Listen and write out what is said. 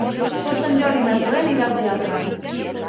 Per Sant Jordi na Zoè anirà al teatre.